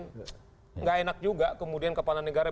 tidak enak juga kemudian kepala negara